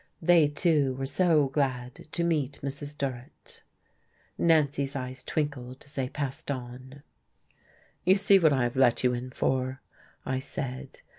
They, too, were so glad to meet Mrs. Durrett. Nancy's eyes twinkled as they passed on. "You see what I have let you in for?" I said.